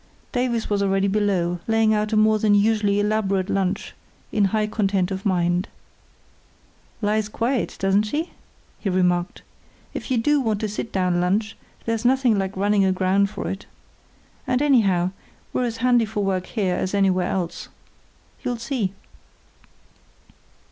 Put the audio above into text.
Davies was already below, laying out a more than usually elaborate lunch, in high content of mind. "Lies quiet, doesn't she?" he remarked. "If you do want a sit down lunch, there's nothing like running aground for it. And, anyhow, we're as handy for work here as anywhere else. You'll see."